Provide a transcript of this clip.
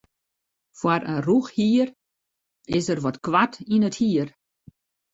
Foar in rûchhier is er wat koart yn it hier.